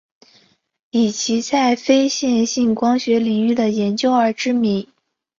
以其在非线性光学领域的研究而知名。